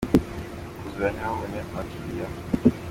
kuzura ntibabone abakiliya.